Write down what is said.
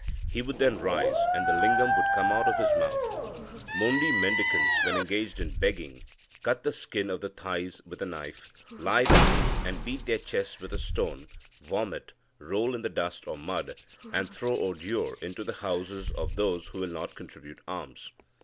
He would then rise, and the lingam would come out of his mouth. Mondi mendicants, when engaged in begging, cut the skin of the thighs with a knife, lie down and beat their chest with a stone, vomit, roll in the dust or mud, and throw ordure into the houses of those who will not contribute alms.